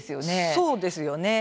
そうですよね。